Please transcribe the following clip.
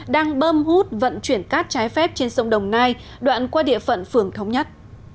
đang bơm hút vận chuyển cát trái phép trên sông đồng nai đoạn qua địa phận phường thống nhất